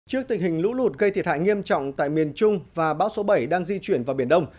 trước tình hình lũ lụt gây thiệt hại nghiêm trọng tại miền trung và bão số bảy đang di chuyển vào biển đông